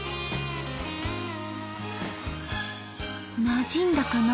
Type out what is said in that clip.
なじんだかな？